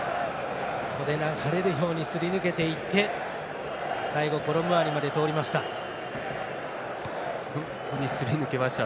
流れるようにすり抜けていって最後、コロムアニまで通りました。